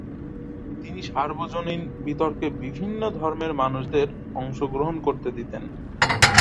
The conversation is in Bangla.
তিনি সার্বজনীন বিতর্কে বিভিন্ন ধর্মের মানুষদের অংশগ্রহণ করতে দিতেন।